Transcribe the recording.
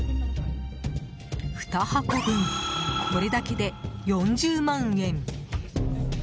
２箱分、これだけで４０万円。